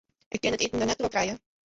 Ik kin it iten der net troch krije.